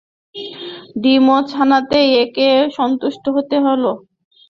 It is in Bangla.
ডিম বা ছানাতেই ওকে সন্তুষ্ট হতে হল।